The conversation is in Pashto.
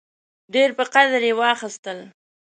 ډېر په قدر یې واخیستل.